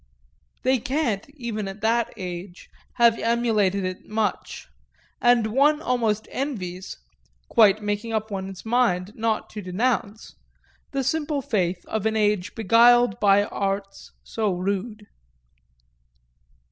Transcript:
They can't, even at that, have emulated it much, and one almost envies (quite making up one's mind not to denounce) the simple faith of an age beguiled by arts so rude.